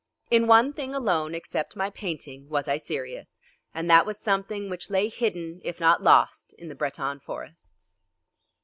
In one thing alone, except my painting, was I serious, and that was something which lay hidden if not lost in the Breton forests.